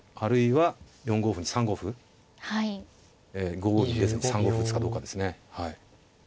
５五銀出ずに３五歩打つかどうかですね。